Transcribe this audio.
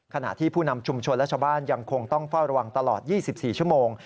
ขณะที่ผู้นำชุมชนและชาวบ้านยังคงต้องเฝ้าระวังตลอด๒๔ชั่วโมง